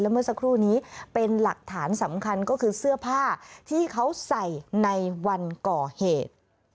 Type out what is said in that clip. เมื่อสักครู่นี้เป็นหลักฐานสำคัญก็คือเสื้อผ้าที่เขาใส่ในวันก่อเหตุ